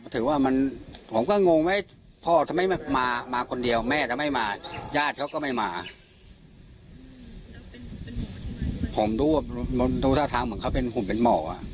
ผมรู้ว่าท่าทางเหมือนเขาเป็นหุ่มเป็นหม่อ